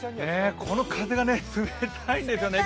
この風がね、冷たいんですよね。